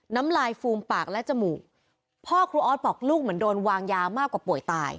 น้ำลายฟูมปากและจมูกพ่อครูออสบอกลูกเหมือนโดนวางยามากกว่าป่วยตาย